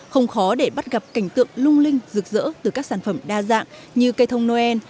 không khó để bắt gặp cảnh tượng lung linh rực rỡ từ các sản phẩm đa dạng như cây thông noel